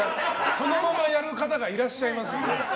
そのままやる方がいらっしゃいますので。